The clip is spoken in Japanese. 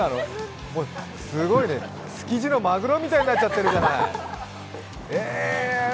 すごいね、築地のまぐろみたいになっちゃってるじゃない。